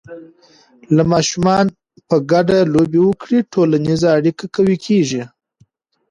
که ماشومان په ګډه لوبې وکړي، ټولنیزه اړیکه قوي کېږي.